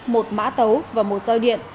một mã tấu và một do điện